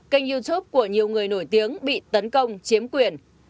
kênh youtube của nhiều người nổi tiếng bị tấn công chiếm quyền